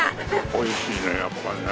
美味しいねやっぱりね。